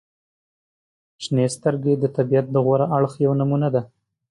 • شنې سترګې د طبیعت د غوره اړخ یوه نمونې لري.